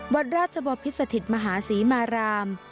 วัดราชบพิษสถิตมหาศรีมาราม